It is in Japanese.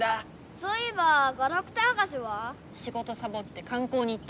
そういえばガラクタ博士は？しごとサボってかん光に行った。